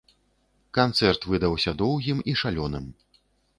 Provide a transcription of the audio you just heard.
Канцэрт выдаўся доўгім і шалёным!